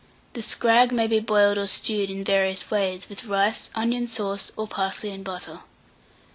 The scrag may be boiled or stewed in various ways, with rice, onion sauce, or parsley and butter.